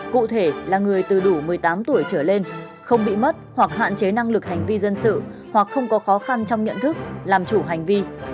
cụ thể là người từ đủ một mươi tám tuổi trở lên không bị mất hoặc hạn chế năng lực hành vi dân sự hoặc không có khó khăn trong nhận thức làm chủ hành vi